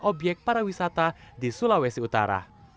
obyek para wisata di sulawesi utara